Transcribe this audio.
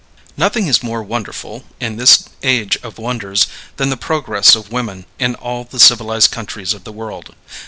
Nothing is more wonderful, in this age of wonders, than the progress of women in all the civilized countries of the world.